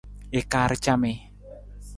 I kaar camii.